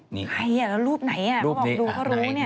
มีใครอ่ะแล้วรูปไหนเขาบอกดูเขารู้เนี่ย